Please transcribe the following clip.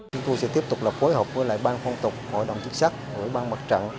chúng tôi sẽ tiếp tục là phối hợp với lại bang phong tục hội đồng chức sắc ủy ban mặt trận